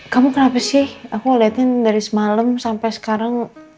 kamu kenapa sih aku ngeliatin dari semalam sampai sekarang